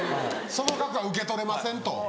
その額は受け取れませんと。